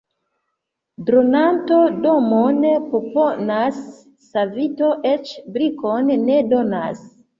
Dronanto domon proponas, savito eĉ brikon ne donas.